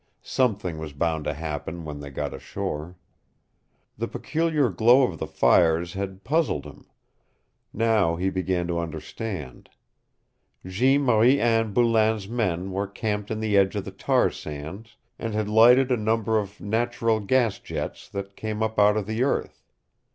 Something was bound to happen when they got ashore. The peculiar glow of the fires had puzzled him. Now he began to understand. Jeanne Marie Anne Boulain's men were camped in the edge of the tar sands and had lighted a number of natural gas jets that came up out of the earth.